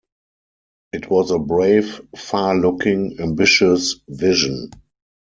It was a brave, far looking, ambitious vision.